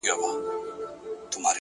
هر منزل نوی سفر پیلوي!